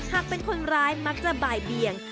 หากเป็นคนร้ายมักจะบ่ายเบียง